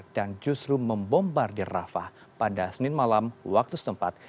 dan justru membombardir rafah pada senin malam waktu setempat